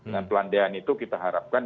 dan pelandaian itu kita harapkan